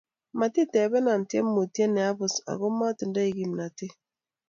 Matitebena tyemutie ne apus ako matingdoi kimnatet